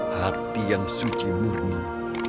hati yang suci mulia